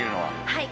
はい。